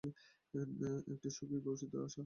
একটি সুখী ভবিষ্যতের আশা।